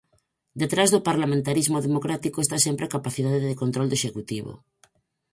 Detrás do parlamentarismo democrático está sempre a capacidade de control do executivo.